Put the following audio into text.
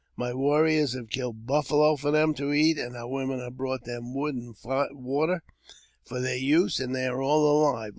My warriors have killed buffalo for them to eat, and our women have brought them wood and water for their use, and they are all alive.